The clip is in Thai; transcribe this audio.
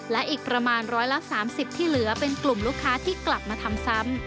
และอีกประมาณ๑๓๐ที่เหลือเป็นกลุ่มลูกค้าที่กลับมาทำซ้ำ